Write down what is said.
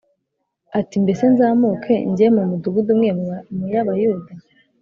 ati “Mbese nzamuke njye mu mudugudu umwe mu y’Abayuda?”